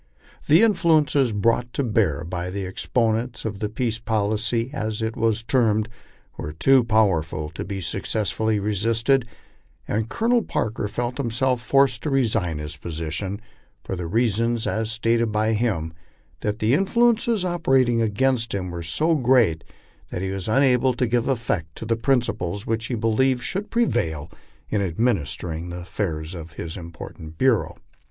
The in fluences brought to bear by the exponents of the peace policy, as it was termed, were too powerful to be successfully resisted, and Colonel Parker felt himself forced to resign his position, for the reason, ns stated by him, that the influ ences operating against him were so great that he was unable to give effect to the principles which he believed should prevail in administering the affairs of his important bureau.